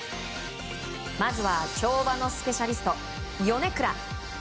まずは跳馬のスペシャリスト米倉。